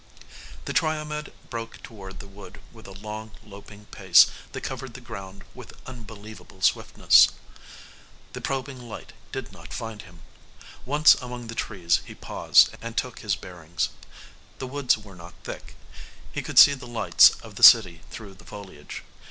The Triomed broke toward the wood with a long loping pace that covered the ground with unbelievable swiftness. The probing light did not find him. Once among the trees he paused and took his bearings. The woods were not thick. He could see the lights of the city through the foliage.